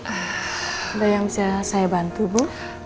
ada yang bisa saya bantu bu